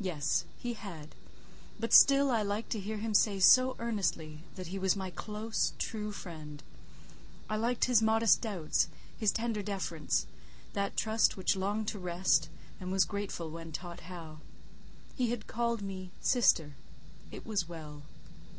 Yes, he had; but still I liked to hear him say so earnestly—that he was my close, true friend; I liked his modest doubts, his tender deference—that trust which longed to rest, and was grateful when taught how. He had called me "sister." It was well.